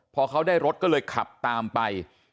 พอเขาได้รถก็เลยขับตามไป